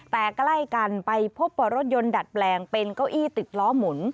แต่ใกล้กันไปพบว่ารถยนต์ดัดแปลงเป็นเก้าอี้ติดล้อหมุน